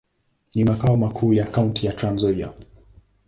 Ni makao makuu ya kaunti ya Trans-Nzoia.